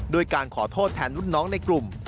ด้วยการขอโทษแทนรุ่นน้องในกลุ่ม